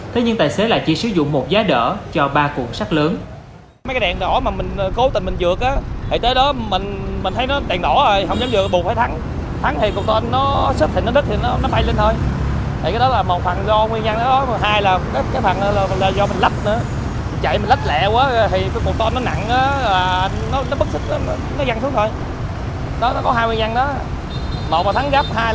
thế nhưng tài xế lại chỉ sử dụng một giá đỡ cho ba cuộn sắt lớn